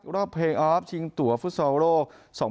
รอบเพลงออฟชิงตัวฟุตสอร์ฟโลก๒๐๒๑